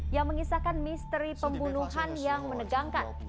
yang mengisahkan misteri pembunuhan yang menegangkan